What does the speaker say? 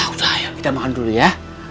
udah yuk kita makan dulu ya